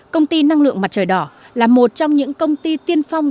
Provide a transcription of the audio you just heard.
công ty năng lượng mặt trời đỏ là một trong những công ty tiên phong